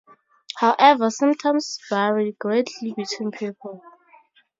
However, symptoms vary greatly between people.